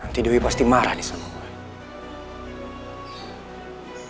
nanti dewi pasti marah nih sama gue